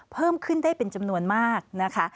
เพิ่มขึ้นได้เป็นจำนวนมากนะคะ